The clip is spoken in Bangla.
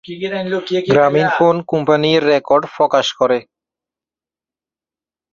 গ্রামোফোন কোম্পানি এর রেকর্ড প্রকাশ করে।